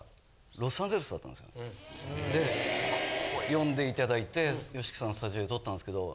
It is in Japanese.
呼んで頂いてＹＯＳＨＩＫＩさんのスタジオで録ったんですけど。